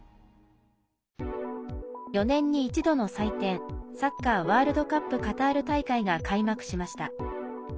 ４年に一度の祭典サッカーワールドカップカタール大会が開幕しました。